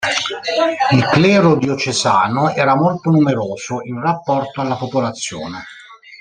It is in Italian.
Il clero diocesano era molto numeroso in rapporto alla popolazione.